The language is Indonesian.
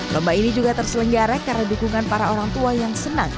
lomba ini juga terselenggara karena dukungan para orang tua yang senang